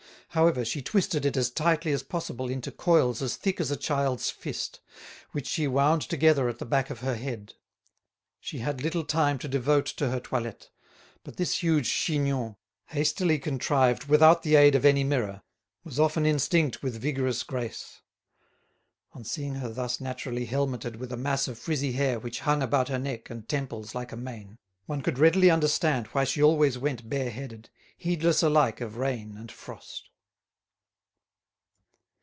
However, she twisted it as tightly as possible into coils as thick as a child's fist, which she wound together at the back of her head. She had little time to devote to her toilette, but this huge chignon, hastily contrived without the aid of any mirror, was often instinct with vigorous grace. On seeing her thus naturally helmeted with a mass of frizzy hair which hung about her neck and temples like a mane, one could readily understand why she always went bareheaded, heedless alike of rain and frost.